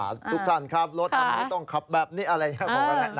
ทุกท่านครับรถอันไม่ต้องขับแบบนี้อะไรเหมือนกันนะ